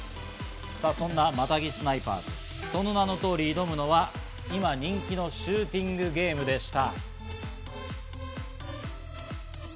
そんなマタギスナイパーズ、その名の通り、挑むのは今人気のシューティングゲームでした。